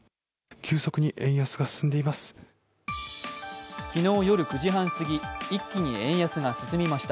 急速に円安が進んでいます。